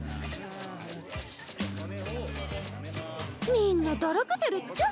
みんなだらけてるっちゃ。